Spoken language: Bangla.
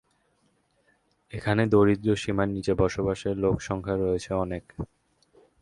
এখানে দারিদ্র সীমার নিচে বসবাসের লোকসংখ্যা রয়েছে অনেক।